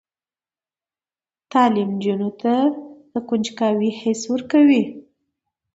تعلیم نجونو ته د کنجکاوۍ حس ورکوي.